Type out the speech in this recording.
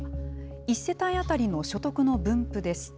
１世帯当たりの所得の分布です。